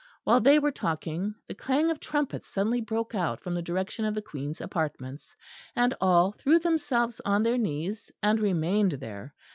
While they were talking, the clang of trumpets suddenly broke out from the direction of the Queen's apartments; and all threw themselves on their knees and remained there.